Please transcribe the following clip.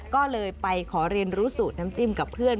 ก็เลยไปขอเรียนรู้สูตรน้ำจิ้มกับเพื่อน